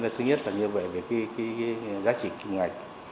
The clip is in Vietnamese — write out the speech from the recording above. thứ nhất là như vậy về cái giá trị kim ngạch